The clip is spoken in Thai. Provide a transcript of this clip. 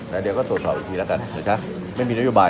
แล้วเดี๋ยวก็ตรวจสอบอีกทีแล้วกันเดี๋ยวจะไม่มีนโยบาย